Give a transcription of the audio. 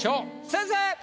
先生！